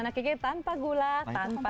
banana cake nya tanpa gula tanpa garam